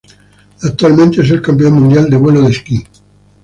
Actualmente es el campeón mundial de vuelo de esquí.